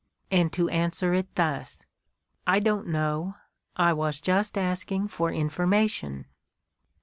and to answer it thus: "I don't know. I was just asking for informa tion."